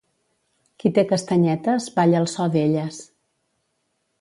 Qui té castanyetes balla al so d'elles.